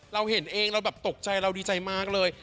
เราเห็นเองเราแบบตกใจเราดีใจมากเลย